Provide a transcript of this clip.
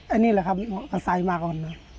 อันนี้แหละครับก็ใส่มาก่อนนะครับ